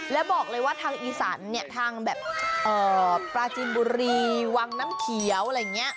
แล้วบอกเลยว่าทางอีสานเนี่ยทางแบบปลาจินบุรีวังน้ำเขียวอะไรอย่างนี้